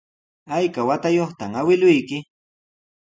¿Ayka watayuqta awkilluyki?